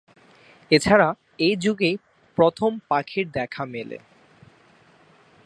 এছাড়া এই যুগেই প্রথম পাখির দেখা মেলে।